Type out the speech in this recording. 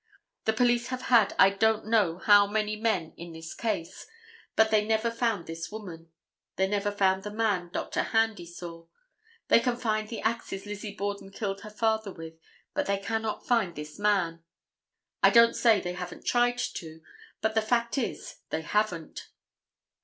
The police have had I don't know how many men in this case, but they never found this woman. They never found the man Dr. Handy saw. They can find the axes Lizzie Borden killed her father with, but they can not find this man. I don't say they haven't tried to, but the fact is they haven't.